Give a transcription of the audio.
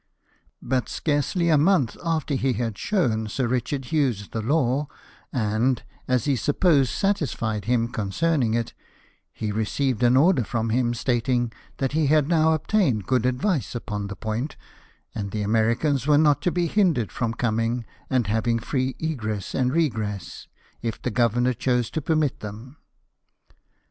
But scarcely a month after he had shown Sir Richard Hughes the law, and, as he supposed, satisfied him concerning it, he received an order from him, stating that he had now obtained good advice upon the point, and the Americans were not to be hindered from coming, and having free egress and regress, if the governor chose to permit them.